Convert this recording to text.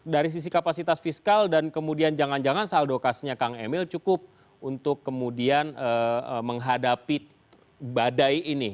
dari sisi kapasitas fiskal dan kemudian jangan jangan saldo kasnya kang emil cukup untuk kemudian menghadapi badai ini